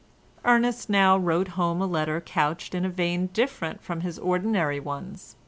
Ernest now wrote home a letter couched in a vein different from his ordinary ones.